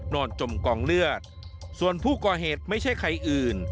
จมกองเลือดส่วนผู้ก่อเหตุไม่ใช่ใครอื่น